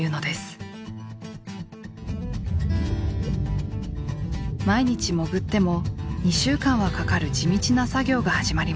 毎日潜っても２週間はかかる地道な作業が始まりました。